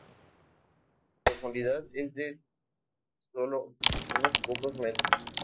Su profundidad es de sólo unos pocos metros.